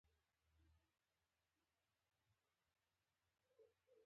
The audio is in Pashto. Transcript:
په افغانستان کې د تالابونو د اړتیاوو لپاره کار کېږي.